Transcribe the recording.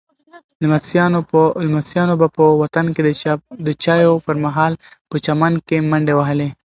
لمسیانو به په وطن کې د چایو پر مهال په چمن کې منډې وهلې.